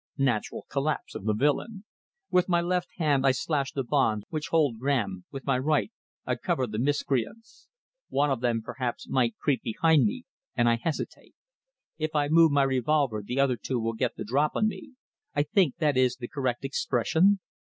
... Natural collapse of the villain. With my left hand I slash the bonds which hold Graham, with my right I cover the miscreants. One of them, perhaps, might creep behind me, and I hesitate. If I move my revolver the other two will get the drop on me I think that is the correct expression?